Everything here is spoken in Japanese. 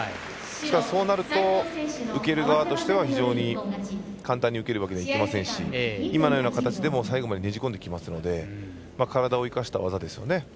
そうなると、受ける側としては簡単に受けるわけにはいきませんし今のような形でも最後までねじ込んできますので体を生かした技ですよね。